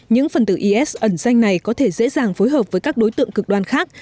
những phần tử is ẩn danh này có thể dễ dàng phối hợp với các đối tượng cực đoan khác